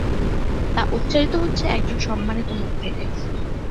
তা উচ্চারিত হচ্ছে একজন সম্মানিত মুখ থেকে।